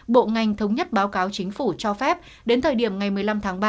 bộ ngành thống nhất báo cáo chính phủ cho phép đến thời điểm ngày một mươi năm tháng ba